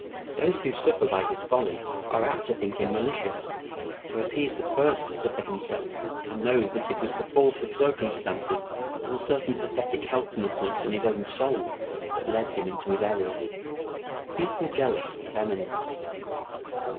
Those who suffer by his folly are apt to think him malicious, whereas he is the first to suffer himself and knows that it was the force of circumstances and a certain pathetic helplessness in his own soul that led him into his errors. [Sidenote: People jealous of eminence.